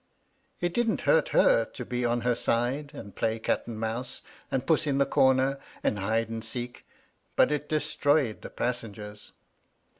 It didn't hurt her to be on her side, and play cat and mouse, and puss in the comer, and hide and seek, but it destroyed the passengers.